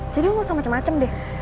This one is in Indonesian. jadi lo gak usah macem macem deh